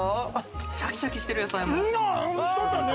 シャキシャキしてる、野菜も。